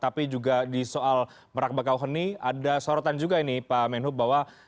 tapi juga di soal merak bakauheni ada sorotan juga ini pak menhub bahwa